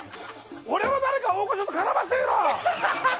俺も誰か大御所と絡ませてみろ！